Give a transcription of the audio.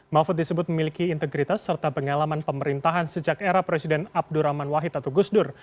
mahfud disebut memiliki integritas serta pengalaman pemerintahan sejak era presiden abdurrahman wahid atau gusdur